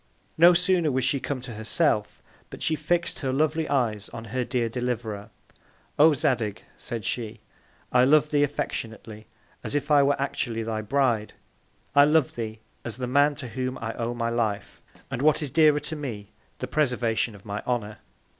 No sooner was she come to her self, but she fix'd her lovely Eyes on her Dear Deliverer. O Zadig, said she, I love thee as affectionately, as if I were actually thy Bride: I love thee, as the Man, to whom I owe my Life, and what is dearer to me, the Preservation of my Honour.